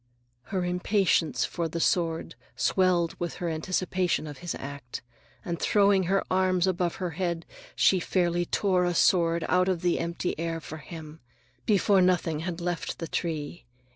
Her impatience for the sword swelled with her anticipation of his act, and throwing her arms above her head, she fairly tore a sword out of the empty air for him, before Nothung had left the tree.